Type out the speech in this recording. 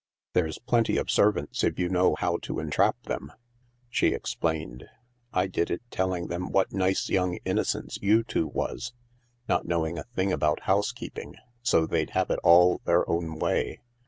"There's plenty of servants if you know how to intrap them," she explained. " I did it telling them what nice young innocents you two was, not knowing a thing about housekeeping, so they'd have it all their own way.